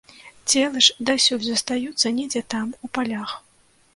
Целы ж дасюль застаюцца недзе там, у палях.